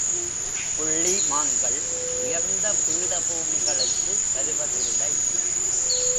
புள்ளி மான்கள் உயர்ந்த பீடபூமி களுக்கு வருவதில்லை.